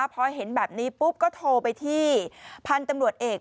พอเห็นแบบนี้ปุ๊บก็โทรไปที่พันธุ์ตำรวจเอก